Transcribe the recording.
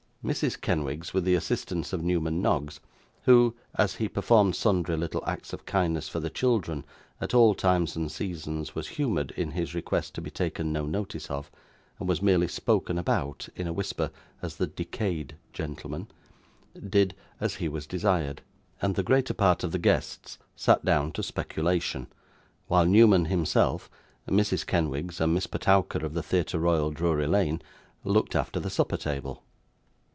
Mrs. Kenwigs, with the assistance of Newman Noggs, (who, as he performed sundry little acts of kindness for the children, at all times and seasons, was humoured in his request to be taken no notice of, and was merely spoken about, in a whisper, as the decayed gentleman), did as he was desired; and the greater part of the guests sat down to speculation, while Newman himself, Mrs. Kenwigs, and Miss Petowker of the Theatre Royal Drury Lane, looked after the supper table.